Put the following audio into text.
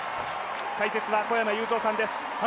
解説は小山裕三さんです。